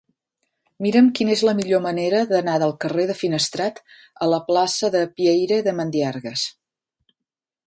Mira'm quina és la millor manera d'anar del carrer de Finestrat a la plaça de Pieyre de Mandiargues.